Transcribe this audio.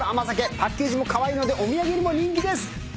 パッケージもカワイイのでお土産にも人気です。